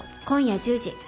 今夜１０時。